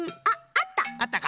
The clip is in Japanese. あっあった。